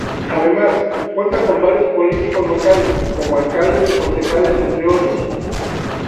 Además, cuenta con varios políticos locales, como alcaldes y concejales, entre otros.